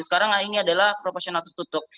sekarang ini adalah proporsional tertutup